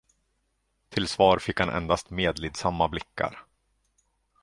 Till svar fick han endast medlidsamma blickar.